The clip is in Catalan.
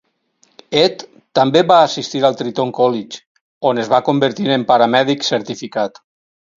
Ed també va assistir al Triton College on es va convertir en paramèdic certificat.